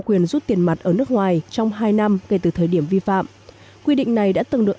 quyền rút tiền mặt ở nước ngoài trong hai năm kể từ thời điểm vi phạm quy định này đã từng được